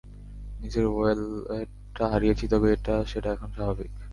নিজের ওয়ালেটটা হারিয়েছি, তবে সেটা এখন স্বাভাবিক।